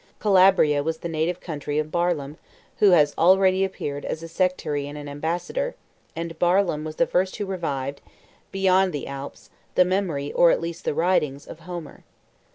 Calabria was the native country of Barlaam, who has already appeared as a sectary and an ambassador; and Barlaam was the first who revived, beyond the Alps, the memory, or at least the writings, of Homer.